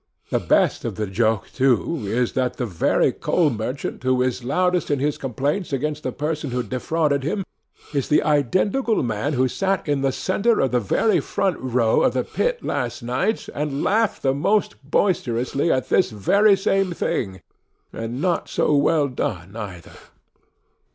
The best of the joke, too, is, that the very coal merchant who is loudest in his complaints against the person who defrauded him, is the identical man who sat in the centre of the very front row of the pit last night and laughed the most boisterously at this very same thing,—and not so well done either.